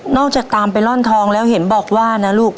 จากตามไปร่อนทองแล้วเห็นบอกว่านะลูก